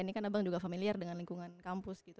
ini kan abang juga familiar dengan lingkungan kampus gitu